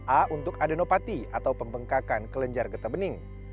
a untuk adenopati atau pembengkakan kelenjar getah bening